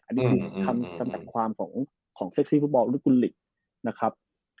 อันนี้คือคำจำกัดความของเซ็กซี่ฟุตบอลลิกุลหลีกนะครับ